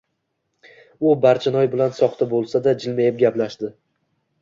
U Barchinoy bilan soxta bo‘lsa-da, jilmayib gaplashdi.